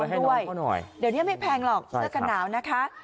ให้ด้วยเดี๋ยวนี้ไม่แพงหรอกเสื้อกันหนาวนะคะ